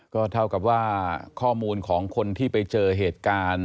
ก็เท่ากับว่าข้อมูลของคนที่ไปเจอเหตุการณ์